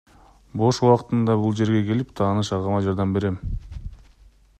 Бош убактымда бул жерге келип, тааныш агама жардам берем.